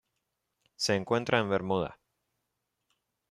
Se encuentra en Bermuda.